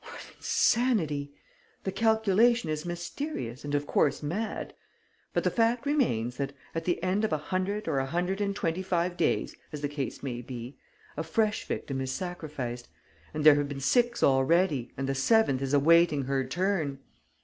What insanity! The calculation is mysterious and of course mad; but the fact remains that, at the end of a hundred or a hundred and twenty five days, as the case may be, a fresh victim is sacrificed; and there have been six already and the seventh is awaiting her turn.